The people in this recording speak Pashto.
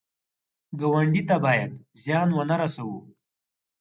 ګاونډي ته باید زیان ونه رسوو